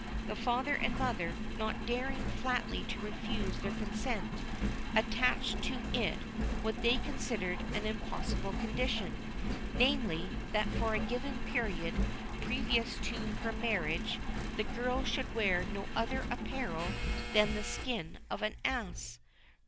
The father and mother, not daring flatly to refuse their consent, attached to it what they considered an impossible condition namely, that for a given period previous to her marriage the girl should wear no other apparel than the skin of an ass.